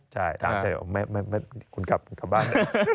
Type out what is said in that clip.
ใช่ถามที่เดียวจะกลับบ้าน